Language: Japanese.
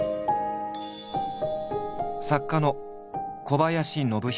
作家の小林信彦。